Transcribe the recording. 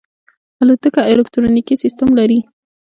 الوتکه الکترونیکي سیستم لري.